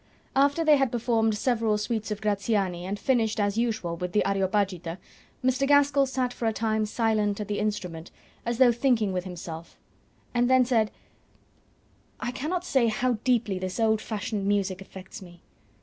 After they had performed several suites of Graziani, and finished as usual with the "Areopagita," Mr. Gaskell sat for a time silent at the instrument, as though thinking with himself, and then said "I cannot say how deeply this old fashioned music affects me.